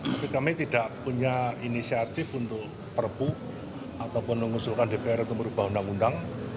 tapi kami tidak punya inisiatif untuk perpu ataupun mengusulkan dpr untuk merubah undang undang